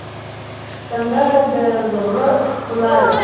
سندره د زړه ښکلا ده